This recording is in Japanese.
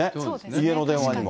家の電話にも。